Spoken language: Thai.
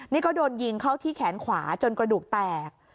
นี่ก็โดนยิงเข้าที่แขนขวาจนกระดูกแตก